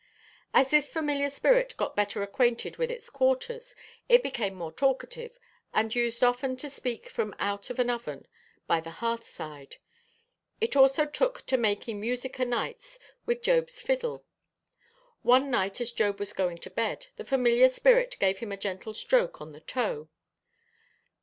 As this familiar spirit got better acquainted with its quarters, it became more talkative, and used often to speak from out of an oven by the hearth's side. It also took to making music o' nights with Job's fiddle. One night as Job was going to bed, the familiar spirit gave him a gentle stroke on the toe.